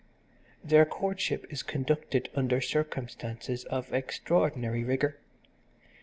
Their courtship is conducted under circumstances of extraordinary rigour.